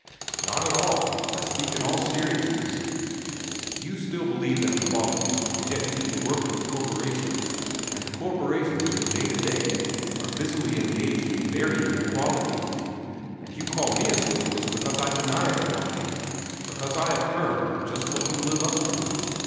"Not at all. I speak in all seriousness. You still believe in equality, and yet you do the work of the corporations, and the corporations, from day to day, are busily engaged in burying equality. And you call me a socialist because I deny equality, because I affirm just what you live up to.